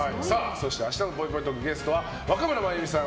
そして明日のぽいぽいトークのゲストは若村麻由美さん